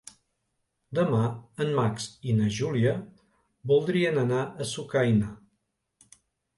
Demà en Max i na Júlia voldrien anar a Sucaina.